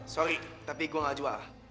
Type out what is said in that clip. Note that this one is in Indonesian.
sorry tapi gua gak jual